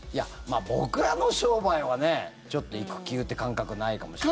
僕らの商売はちょっと育休って感覚ないかもしれない。